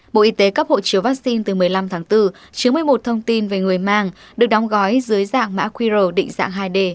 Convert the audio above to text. bộ y tế cấp hộ chiếu vắc xin từ một mươi năm tháng bốn chứa một mươi một thông tin về người mang được đóng gói dưới dạng mã quy rời định dạng hai d